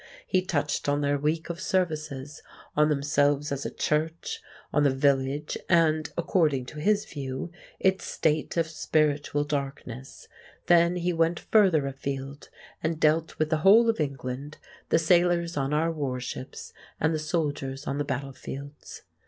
He touched on their week of services, on themselves as a church, on the village and (according to his view) its state of spiritual darkness; then he went further afield and dealt with the whole of England, the sailors on our warships, and the soldiers on the battlefields.